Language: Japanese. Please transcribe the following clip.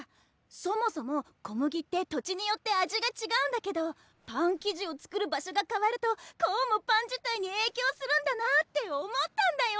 そもそも小麦って土地によって味が違うんだけどパン生地を作る場所が変わるとこうもパン自体に影響するんだなって思ったんだよ。